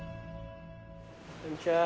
こんにちは。